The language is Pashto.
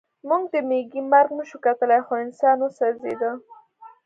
موږ د مېږي مرګ نشو کتلی خو انسان وسوځېد